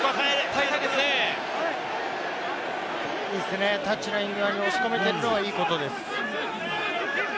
タッチライン側に押し込めているのはいいことです。